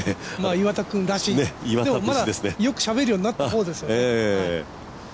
岩田君らしい、でもまだよくしゃべるようになった方ですよね。